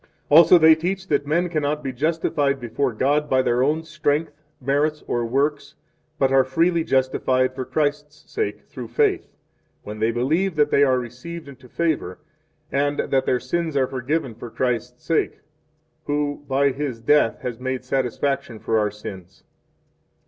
1 Also they teach that men cannot be justified before God by their own strength, merits, or works, but are freely justified for 2 Christ's sake, through faith, when they believe that they are received into favor, and that their sins are forgiven for Christ's sake, who, by His death, has made satisfaction for our sins.